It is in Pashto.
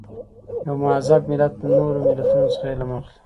یو مهذب ملت له نورو ملتونو څخه علم اخلي.